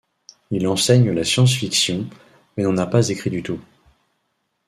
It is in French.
Il enseigne la science-fiction, mais n'en a pas écrit du tout.